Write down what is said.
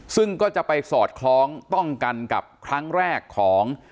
ซึ่งก็จะไปสอดคล้องต้องกันกับครั้งแรกของ